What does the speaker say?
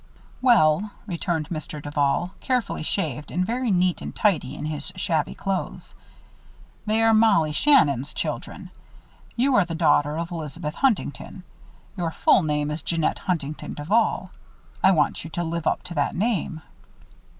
"Well," returned Mr. Duval, carefully shaved and very neat and tidy in his shabby clothes, "they are Mollie Shannon's children. You are the daughter of Elizabeth Huntington. Your full name is Jeannette Huntington Duval. I want you to live up to that name."